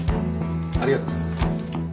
ありがとうございます。